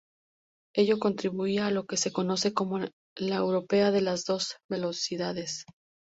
Ello contribuirá a lo que se conoce como la Europa de las dos velocidades.